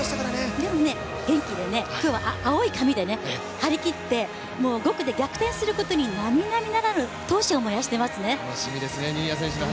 でも元気でね、今日は青い髪で張り切って、５区で逆転することに並々ならぬ闘志を燃やしていますね。